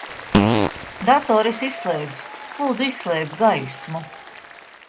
Datoru es izslēdzu. Lūdzu, izslēdz gaismu.